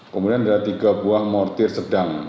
kemudian ada tiga buah mortir sedang